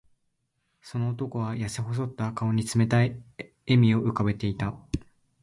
その男は、やせ細った顔に冷たい笑みを浮かべていた。